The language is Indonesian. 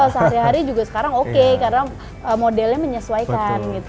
sehari hari juga sekarang oke karena modelnya menyesuaikan gitu